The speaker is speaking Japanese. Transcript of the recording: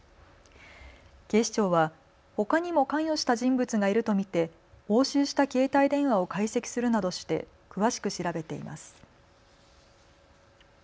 警視庁はほかにも関与した人物がいると見て押収した携帯電話を解析するなどして詳しく調べています。